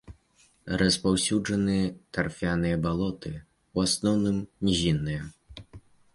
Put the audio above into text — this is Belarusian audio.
Распаўсюджаны тарфяныя балоты, у асноўным нізінныя.